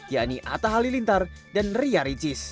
yaitu atta halilintar dan ria ricis